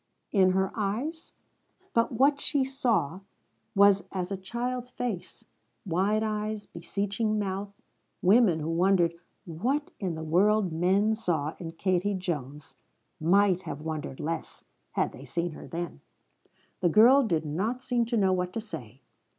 in her eyes. But what she saw was as a child's face wide eyes, beseeching mouth. Women who wondered "what in the world men saw in Katie Jones" might have wondered less had they seen her then. The girl did not seem to know what to say.